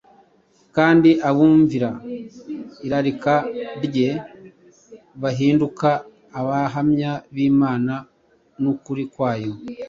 kandi abumvira irarika rye bahinduka abahamya b’Imana n’ukuri kwayo.